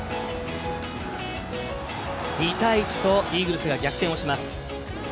２対１とイーグルスが逆転をします。